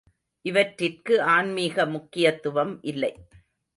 இவற்றிற்கு ஆன்மீக முக்கியத்துவம் இல்லை.